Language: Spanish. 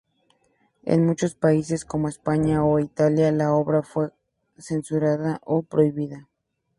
En muchos países como España o Italia la obra fue censurada o prohibida.